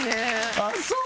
あっそう？